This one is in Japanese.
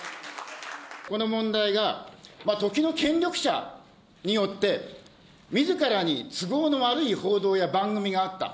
この問題が、時の権力者によって、みずからに都合の悪い報道や番組があった。